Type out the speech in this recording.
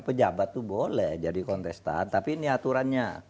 pejabat itu boleh jadi kontestan tapi ini aturannya